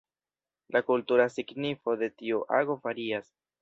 La kultura signifo de tiu ago varias.